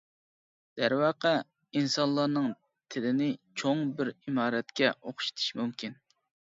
دەرۋەقە، ئىنسانلارنىڭ تىلىنى چوڭ بىر ئىمارەتكە ئوخشىتىش مۇمكىن.